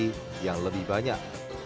seperti yang lebih banyak